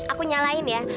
aku nyalain ya